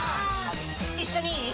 一緒にいい？